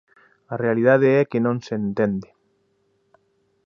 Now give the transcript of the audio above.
A realidade é que non se entende.